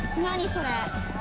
それ。